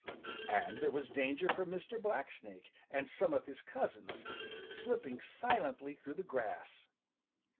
And there was danger from Mr. Blacksnake and some of his cousins, slipping silently through the grass.